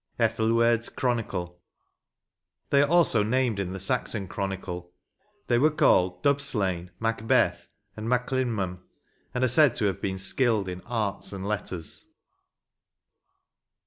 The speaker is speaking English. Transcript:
— Ethelwerds Chronicle, They are also named in the Saxon Chronicle ; they were called Dubslane, Macbeth, and Maclin mum, and are said to have been skilled in arts and letters.